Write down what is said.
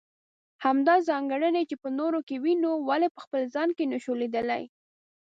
همدا ځانګړنې چې په نورو کې وينو ولې په خپل ځان کې نشو ليدلی.